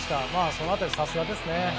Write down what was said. その辺り、さすがですね。